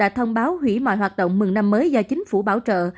đã thông báo hủy mọi hoạt động mừng năm mới do chính phủ bảo trợ